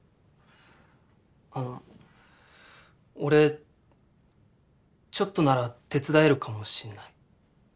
あっ俺ちょっとなら手伝えるかもしんない。